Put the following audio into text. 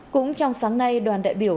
cũng trong sáng nay đoàn đại biểu